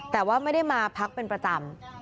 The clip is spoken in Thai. แต่ว่าไม่ได้มาพักเป็นประจำ